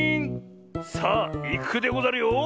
さあいくでござるよ。